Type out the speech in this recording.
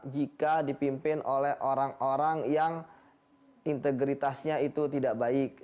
jika dipimpin oleh orang orang yang integritasnya itu tidak baik